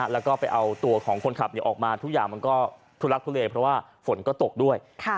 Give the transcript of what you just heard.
แล้วก็ไปเอาตัวของคนขับออกมาทุกอย่างมันก็ทุลักทุเลเพราะว่าฝนก็ตกด้วย